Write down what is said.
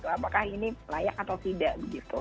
apakah ini layak atau tidak begitu